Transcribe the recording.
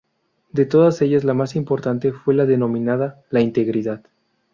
De todas ellas la más importante fue la denominada "La Integridad".